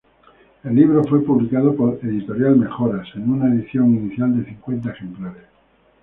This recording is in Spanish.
El libro fue publicado por "Editorial Mejoras", en una edición inicial de cincuenta ejemplares.